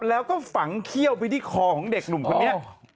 แล้วก็ฝังเขี้ยวไปที่คอของเด็กหนุ่มคนนี้